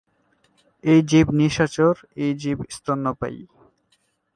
এই জীব নিশাচর এই জীব স্তন্যপায়ী।